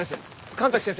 神崎先生